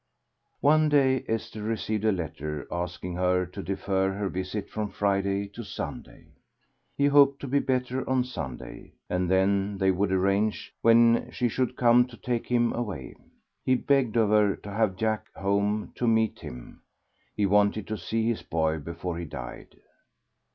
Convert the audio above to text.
One day Esther received a letter asking her to defer her visit from Friday to Sunday. He hoped to be better on Sunday, and then they would arrange when she should come to take him away. He begged of her to have Jack home to meet him. He wanted to see his boy before he died.